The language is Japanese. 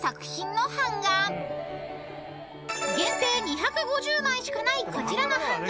［限定２５０枚しかないこちらの版画］